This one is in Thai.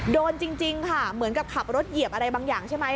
โดนจริงค่ะเหมือนกับขับรถเหยียบอะไรบางอย่างใช่ไหม